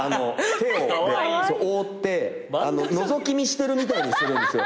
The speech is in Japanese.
手を覆ってのぞき見してるみたいにするんですよ。